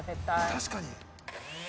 確かに。